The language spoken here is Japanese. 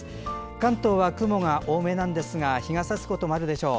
関東は雲が多めなんですが日がさすこともあるでしょう。